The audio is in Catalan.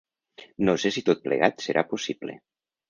No sé si tot plegat serà possible.